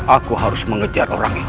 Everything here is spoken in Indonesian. aku harus mengejar orang ini